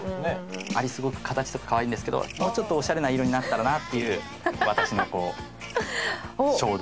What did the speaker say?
アリすごく形とか可愛いんですけどもうちょっとオシャレな色になったらなっていう私の衝動がありまして。